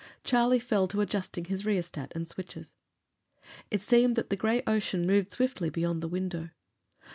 Charlie fell to adjusting his rheostat and switches. It seemed that the gray ocean moved swiftly beyond the window.